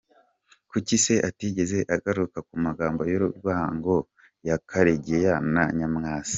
Kuki se atigeze agaruka ku magambo y’urwango ya Karegeya na Nyamwasa.